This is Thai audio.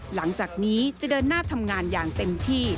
หลังจากนี้จะเดินหน้าทำงานอย่างเต็มที่